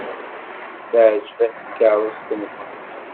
Teɛjeb-as tkeṛṛust-nwent.